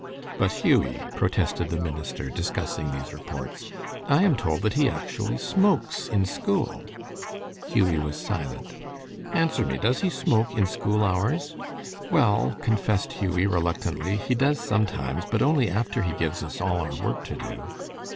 "But, Hughie," protested the minister, discussing these reports, "I am told that he actually smokes in school." Hughie was silent. "Answer me! Does he smoke in school hours?" "Well," confessed Hughie, reluctantly, "he does sometimes, but only after he gives us all our work to do."